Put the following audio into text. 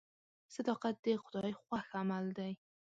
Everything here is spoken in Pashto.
صداقت د خدای خوښ عمل دی.